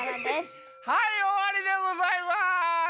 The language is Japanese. はいおわりでございます。